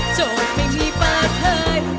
โจทย์ไม่มีเปิดเคย